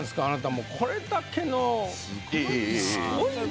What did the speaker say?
あなたもうこれだけの。